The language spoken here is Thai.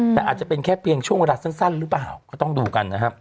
แต่อาจจะเป็นแค่เพียงช่วงเวลาสั้นหรือเปล่าก็ต้องดูกันนะครับ